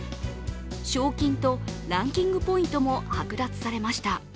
賞金とランキングポイントも剥奪されました。